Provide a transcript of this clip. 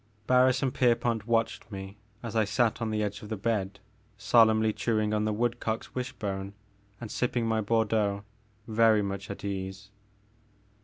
Barris and Pierpont watched me as I sat on the edge of the bed, solemnly chewing on the wood cock's wishbone and sipping my Bordeaux, very much at my ease.